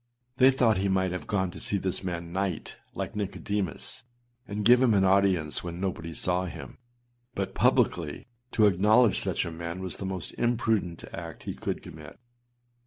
They thought he might have gone to see this man night, like Nicodemus, and give him an audience when nobody saw him; but publicly to acknowledge such a man was the most imprudent act he could commit.